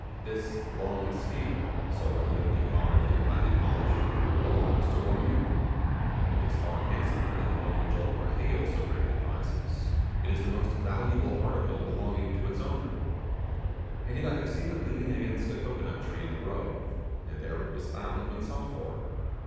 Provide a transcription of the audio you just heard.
This long spear, so elegantly carved, and highly polished, belongs to Wormoonoo: it is far handsomer than the one which old Marheyo so greatly prizes; it is the most valuable article belonging to its owner. And yet I have seen it leaning against a cocoanut tree in the grove, and there it was found when sought for.